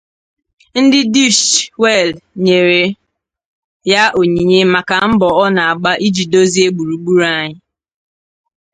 Ndi Deutsche Welle nyere ya onyinye maka mbọ ọ na-abga iji dozie gburugburu anyi.